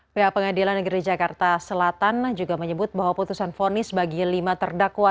pihak pengadilan negeri jakarta selatan juga menyebut bahwa putusan fonis bagi lima terdakwa